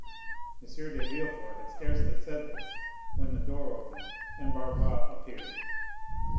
M. de Villefort had scarcely said this, when the door opened, and Barrois appeared.